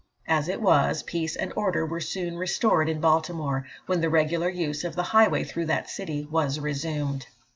As it was, peace and order were soon restored in Baltimore, when the regular use of the highway through that city was resumed.